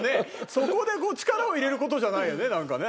そこで力を入れる事じゃないよねなんかね。